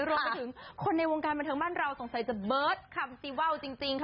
รวมไปถึงคนในวงการบันเทิงบ้านเราสงสัยจะเบิร์ตคำซีว่าวจริงค่ะ